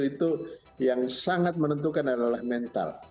itu yang sangat menentukan adalah mental